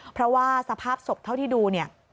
เพราะว่าสภาพศพเท่าที่ดู